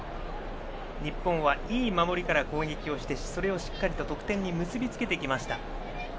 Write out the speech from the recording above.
日本はいい守りから攻撃をしてそれをしっかりと得点に結び付けてきました。